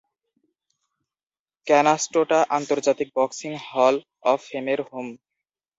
Canastota আন্তর্জাতিক boxing hall of ফেমের home.